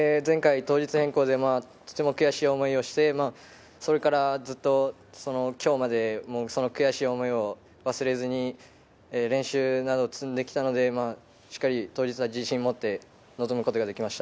前回、当日変更で悔しい思いをして、それからずっと今日まで、その悔しい思いを忘れずに練習を積んできたので、当日は自信をもって臨むことができました。